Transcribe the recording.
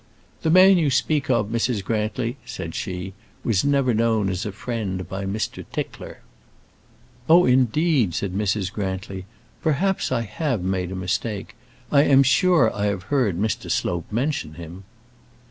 "The man you speak of, Mrs. Grantly," said she, "was never known as a friend by Mr. Tickler." "Oh, indeed," said Mrs. Grantly. "Perhaps I have made a mistake. I am sure I have heard Mr. Slope mention him."